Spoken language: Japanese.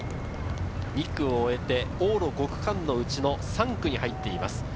２区を終えて、往路５区間のうちの３区に入っています。